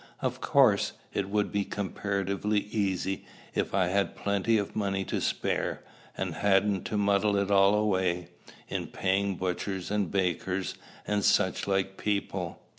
Of course, it would be comparatively easy if I had plenty of money to spare, and hadn't "to muddle it all away" in paying butchers and bakers, and such like people.